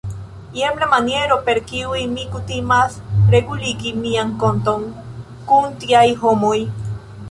Jen la maniero, per kiu mi kutimas reguligi mian konton kun tiaj homoj!